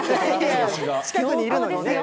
近くにいるのにね。